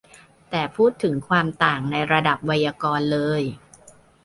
แต่พูดถึงความต่างในระดับไวยากรณ์เลย